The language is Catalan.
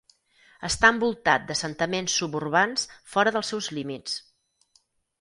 Està envoltat d'assentaments suburbans fora dels seus límits.